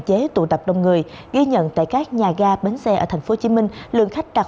chế tụ tập đông người ghi nhận tại các nhà ga bến xe ở thành phố hồ chí minh lượng khách đặt